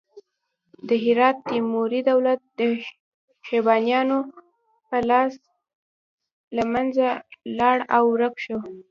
د هرات تیموري دولت د شیبانیانو په لاس له منځه لاړ او ورک شو.